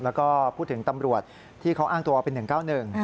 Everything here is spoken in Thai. แล้วก็พูดถึงตำรวจที่เขาอ้างตัวเป็น๑๙๑